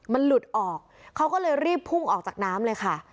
มันหลุดออกเขาก็เลยรีบพุ่งออกจากน้ำเลยค่ะ